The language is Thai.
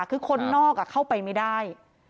คือคนนอกเข้าไปไม่ได้